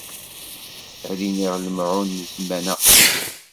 Ad d-iniɣ lemɛun n zzman aqdim.